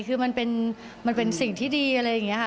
คือมันเป็นสิ่งที่ดีอะไรอย่างนี้ค่ะ